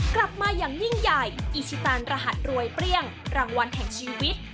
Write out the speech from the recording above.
กลับมาอย่างยิ่งใหญ่อีชิตานรหัสรวยเปรี้ยงรางวัลแห่งชีวิต